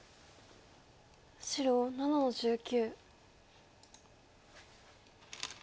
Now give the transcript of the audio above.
白７の十九。